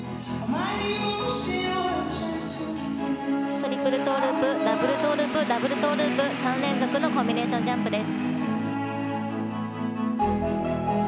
トリプルトーループダブルトーループダブルトーループ３連続のコンビネーションジャンプです。